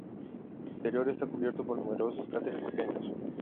El interior está cubierto por numerosos cráteres pequeños.